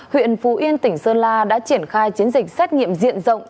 huyện phú yên tỉnh sơn la đã triển khai chiến dịch xét nghiệm diện rộng